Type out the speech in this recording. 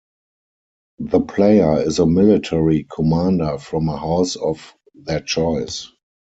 The player is a military commander from a House of their choice.